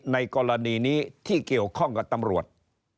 ในกรณีนี้ที่เกี่ยวข้องกับตำรวจ